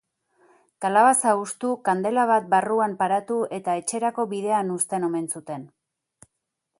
Kalabaza hustu, kandela bat barruan paratu eta etxerako bidean uzten omen zuten.